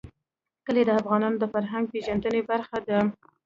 کلي د افغانانو د فرهنګي پیژندنې برخه ده.